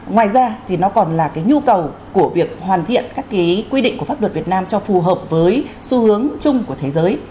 ngoài ra thì nó còn là cái nhu cầu của việc hoàn thiện các quy định của pháp luật việt nam cho phù hợp với xu hướng chung của thế giới